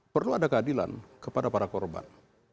perlu ada keadilan kepada para korban